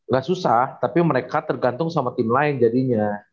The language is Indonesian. gak susah tapi mereka tergantung sama tim lain jadinya